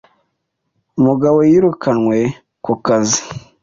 umugabo yirukanywe ku kazi,